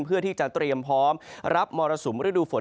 เพื่อที่จะเตรียมพร้อมรับมรสุมฤดูฝน